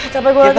capek gue udah